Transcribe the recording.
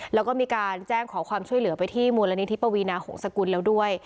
แล้วก็มีการแจ้งขอความช่วยเหลือไปที่มูลนิธิปวีนาหงษกุลแล้วด้วย